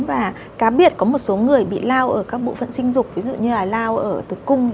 và cá biệt có một số người bị lao ở các bộ phận sinh dục ví dụ như là lao ở tử cung